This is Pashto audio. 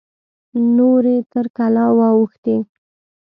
نورې تر کلا واوښتې.